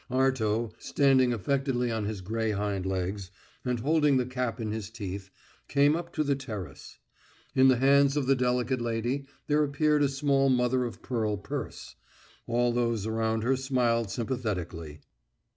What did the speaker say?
Arto, standing affectedly on his grey hind legs, and holding the cap in his teeth, came up to the terrace. In the hands of the delicate lady there appeared a small mother of pearl purse. All those around her smiled sympathetically.